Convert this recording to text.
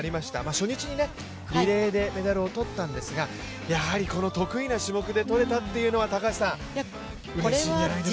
初日にリレーでメダルを取ったんですがやはり、この得意な種目でとれたっていうのはうれしいんじゃないでしょうか。